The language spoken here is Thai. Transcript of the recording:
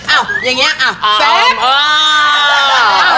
เอาแป๊บ